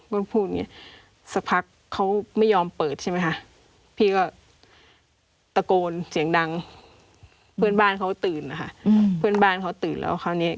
พูดอย่างนี้สักพักเขาไม่ยอมเปิดใช่ไหมคะพี่ก็ตะโกนเสียงดังเพื่อนบ้านเขาตื่นนะคะเพื่อนบ้านเขาตื่นแล้วคราวนี้